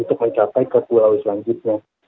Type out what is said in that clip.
untuk mencapai ke pulau selanjutnya